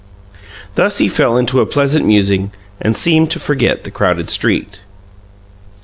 Thus he fell into a pleasant musing and seemed to forget the crowded street.